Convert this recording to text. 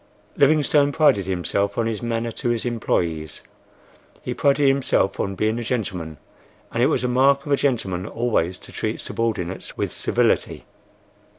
Livingstone prided himself on his manner to his employees. He prided himself on being a gentleman, and it was a mark of a gentleman always to treat subordinates with civility.